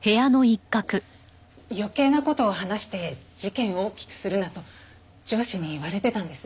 余計な事を話して事件を大きくするなと上司に言われてたんです。